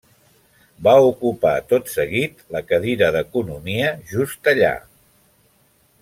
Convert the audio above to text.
Va ocupar, tot seguit, la cadira d'economia just allà.